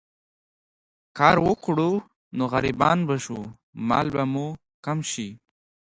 کار وکړو نو غريبان به شو، مال به مو کم شي